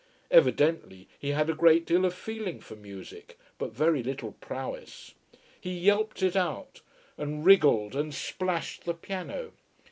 Evidently he had a great deal of feeling for music: but very little prowess. He yelped it out, and wriggled, and splashed the piano.